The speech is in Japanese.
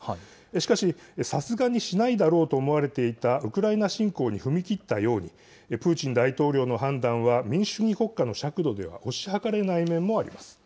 しかし、さすがにしないだろうと思われていたウクライナ侵攻に踏み切ったように、プーチン大統領の判断は、民主主義国家の尺度では推し量れない面もあります。